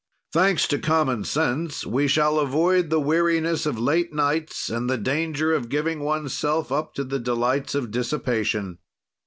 Thanks to common sense, we shall avoid the weariness of late nights and the danger of giving oneself up to the delights of dissipation.